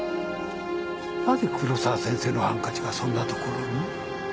なぜ黒沢先生のハンカチがそんな所に？